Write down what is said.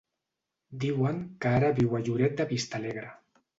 Diuen que ara viu a Lloret de Vistalegre.